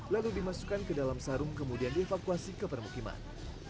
lalu dimasukkan ke dalam sarung kemudian dievakuasi ke permukiman